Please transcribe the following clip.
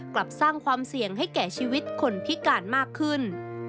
กลับสร้างความเสี่ยงให้แก่ชีวิตคนพิการมากขึ้น